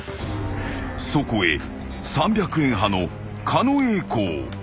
［そこへ３００円派の狩野英孝］